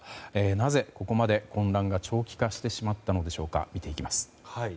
なぜここまで混乱が長期化してしまったのでしょうか見ていきます。